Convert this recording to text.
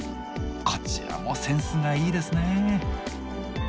こちらもセンスがいいですね。